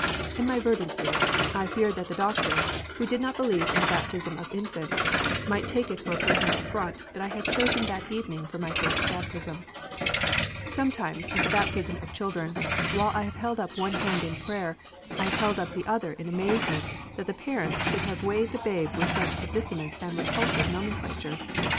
In my verdancy I feared that the Doctor, who did not believe in the baptism of infants, might take it for a personal affront that I had chosen that evening for this my first baptism. [Illustration: DR. TALMAGE IN HIS FIRST CHURCH, BELLEVILLE, NEW JERSEY.] Sometimes at the baptism of children, while I have held up one hand in prayer, I have held up the other in amazement that the parents should have weighted the babe with such a dissonant and repulsive nomenclature.